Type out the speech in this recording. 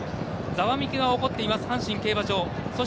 ざわめきが起こっています阪神競馬場。